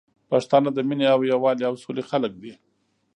پښتانه د مينې او یوالي او سولي خلګ دي